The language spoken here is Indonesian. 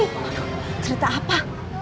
aduh cerita apa